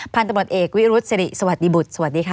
พันธุ์ตำรวจเอกวิรุษศิริสวัสดีบุธสวัสดีค่ะ